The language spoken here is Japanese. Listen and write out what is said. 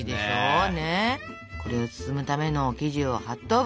これを包むための生地を８等分。